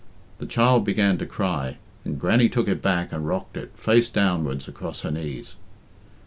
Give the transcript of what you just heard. The child began to cry, and Grannie took it back and rocked it, face downwards, across her knees.